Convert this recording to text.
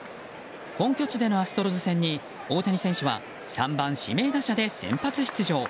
本拠地でのアストロズ戦に大谷選手は３番指名打者で先発出場。